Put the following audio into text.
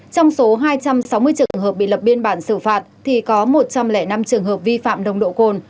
trong số hai trăm sáu mươi trường hợp bị lập biên bản xử phạt thì có một trăm linh năm trường hợp vi phạm đồng độ cồn